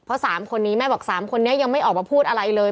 เพราะ๓คนนี้แม่บอก๓คนนี้ยังไม่ออกมาพูดอะไรเลย